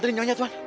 terima kasih papa